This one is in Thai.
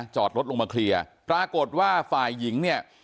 จอดรถลงมาเคลียร์ปรากฏว่าฝ่ายหญิงเนี่ย